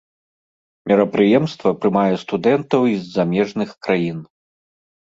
Мерапрыемства прымае студэнтаў і з замежных краін.